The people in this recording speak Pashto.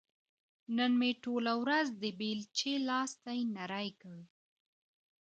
نن مې ټوله ورځ د بېلچې لاستي نري کړ.